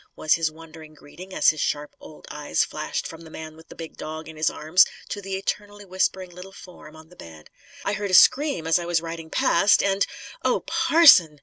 was his wondering greeting as his sharp old eyes flashed from the man with the big dog in his arms to the eternally whispering little form on the bed. "I heard a scream, as I was riding past, and " "Oh, parson!"